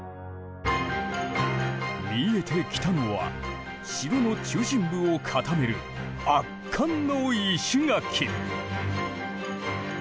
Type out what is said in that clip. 見えてきたのは城の中心部を固める圧巻の石垣。